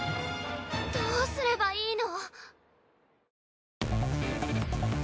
どうすればいいの？